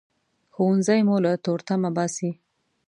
ښوونځی مو له تورتمه باسي